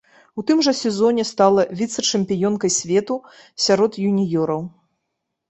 У тым жа сезоне стала віцэ-чэмпіёнкай свету сярод юніёраў.